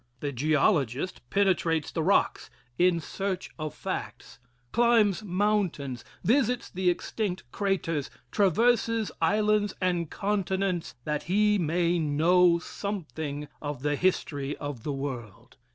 The geologist penetrates the rocks in search of facts climbs mountains, visits the extinct craters, traverses islands and continents that he may know something of the history of the world.